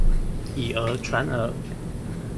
以訛傳訛